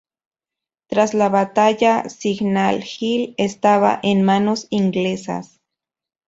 Tras la batalla, Signal Hill estaba en manos inglesas.